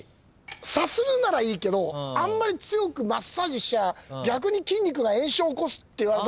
さするならいいけどあんまり強くマッサージしちゃ逆に筋肉が炎症を起こすって言われたことがあって。